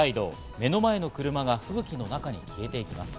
目の前の車が吹雪の中に消えていきます。